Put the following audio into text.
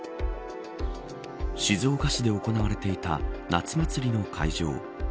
静岡市で行われていた夏祭りの会場。